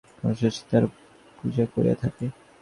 ভারতের বালকবালিকাগণ, বিশেষত বালিকামাত্রেই সীতার পূজা করিয়া থাকে।